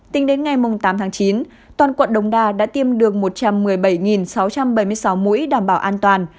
tính đến ngày tám tháng chín toàn quận đống đa đã tiêm được một trăm một mươi bảy sáu trăm bảy mươi sáu mũi đảm bảo an toàn